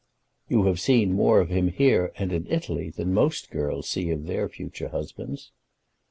"You have seen more of him here and in Italy than most girls see of their future husbands."